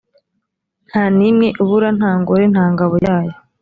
nta n’imwe ibura nta ngore nta ngabo yayo